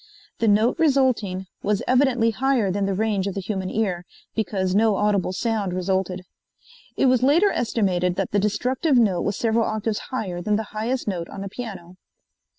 The note resulting was evidently higher than the range of the human ear, because no audible sound resulted. It was later estimated that the destructive note was several octaves higher than the highest note on a piano.